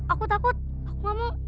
aku takut aku gak mau